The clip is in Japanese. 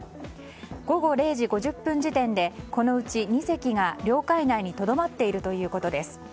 午後０時５０分時点でこのうち２隻が領海内にとどまっているということです。